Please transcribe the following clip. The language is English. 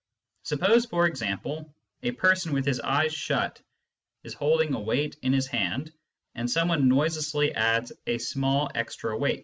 Suppose, for example, a person with his eyes shut is holding a weight in his hand, and someone noiselessly adds a small extra weight.